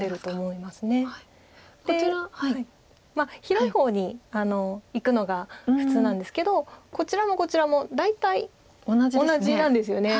広い方にいくのが普通なんですけどこちらもこちらも大体同じなんですよね。